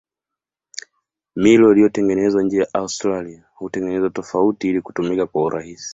Milo iliyotengenezwa nje ya Australia hutengenezwa tofauti ili kutumika kwa urahisi.